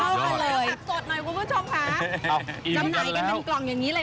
ก็คะกะตับสดหน่อยคุณผู้ชมคะ